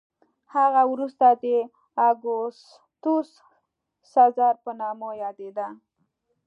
هغه وروسته د اګوستوس سزار په نامه یادېده